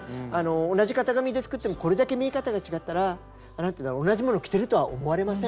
同じ型紙で作ってもこれだけ見え方が違ったら何ていうんだろう同じ物を着てるとは思われません。